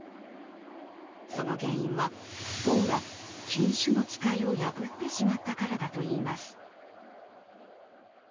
その原因はポーが禁酒の誓いを破ってしまったからだといいます。